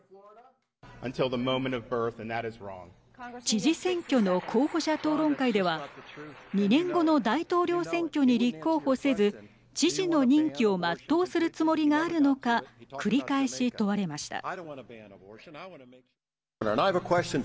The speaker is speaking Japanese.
知事選挙の候補者討論会では２年後の大統領選挙に立候補せず知事の任期を全うするつもりがあるのか繰り返し問われました。